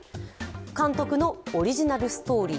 監督のオリジナルストーリー